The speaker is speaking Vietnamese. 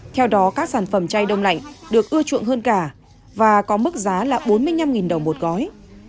theo đó các sản phẩm chay đông lạnh được ưa chuộng hơn cả và có mức giá là bốn mươi năm đồng một gói